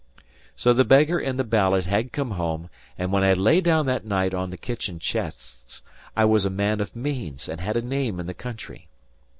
So the beggar in the ballad had come home; and when I lay down that night on the kitchen chests, I was a man of means and had a name in the country.